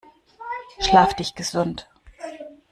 Schlaf dich gesund!